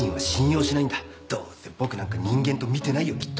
どうせ僕なんか人間と見てないよきっと。